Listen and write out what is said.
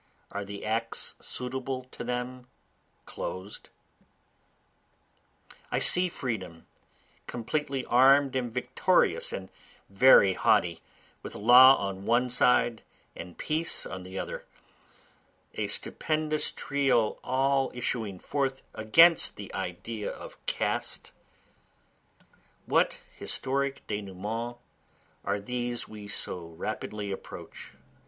are the acts suitable to them closed?) I see Freedom, completely arm'd and victorious and very haughty, with Law on one side and Peace on the other, A stupendous trio all issuing forth against the idea of caste; What historic denouements are these we so rapidly approach?